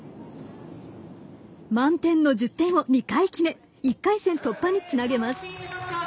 満点の１０点を２回決め１回戦突破につなげます。